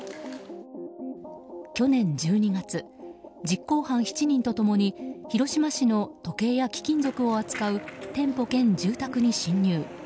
去年１２月、実行犯７人時と共に広島市の時計や貴金属を扱う店舗兼住宅に侵入。